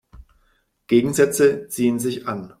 Gegensätze ziehen sich an.